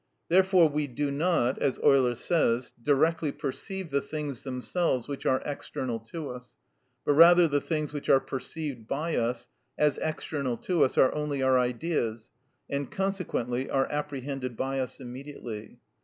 Therefore we do not, as Euler says, directly perceive the things themselves which are external to us, but rather the things which are perceived by us as external to us are only our ideas, and consequently are apprehended by us immediately.